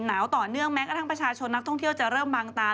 หนาวต่อเนื่องแม้กระทั่งประชาชนนักท่องเที่ยวจะเริ่มบางตา